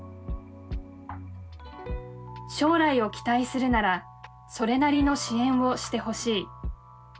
将来を期待するならそれなりの支援をしてほしい。